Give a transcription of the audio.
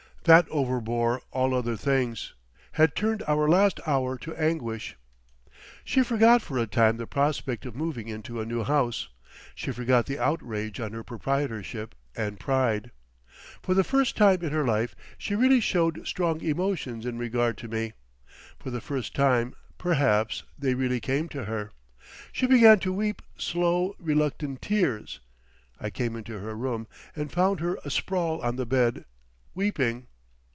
That overbore all other things, had turned our last hour to anguish. She forgot for a time the prospect of moving into a new house, she forgot the outrage on her proprietorship and pride. For the first time in her life she really showed strong emotions in regard to me, for the first time, perhaps, they really came to her. She began to weep slow, reluctant tears. I came into her room, and found her asprawl on the bed, weeping.